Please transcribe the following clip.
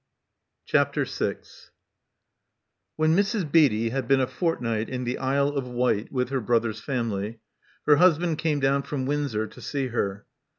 CHAPTER VI When Mrs. Beatty had been a fortnight in the Isle of Wight with her brother's family, her husband came down from Windsor to see her.